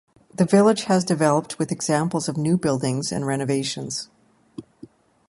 The village has developed with examples of new buildings and renovations.